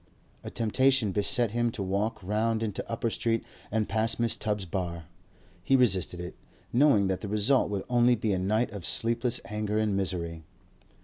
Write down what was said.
A temptation beset him to walk round into Upper Street and pass Mrs. Tubbs's bar. He resisted it, knowing that the result would only be a night of sleepless anger and misery.